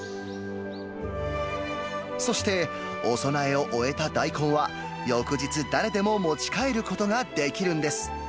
そして、お供えを終えた大根は、翌日、誰でも持ち帰ることができるんです。